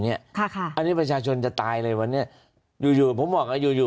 เนี้ยค่ะค่ะอันนี้ประชาชนจะตายเลยวะเนี้ยอยู่อยู่ผมบอกอ่ะอยู่อยู่